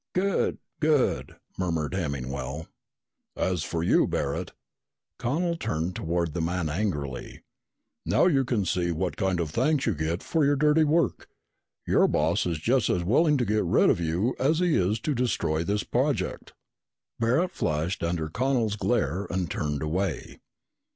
"Good, good," murmured Hemmingwell. "And as for you, Barret" Connel turned toward the man angrily "now you can see what kind of thanks you get for your dirty work! Your boss is just as willing to get rid of you as he is to destroy this project!" Barret flushed under Connel's glare and turned away.